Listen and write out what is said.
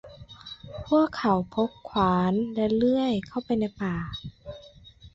พวกเขาพกขวานและเลื่อยเข้าไปในป่า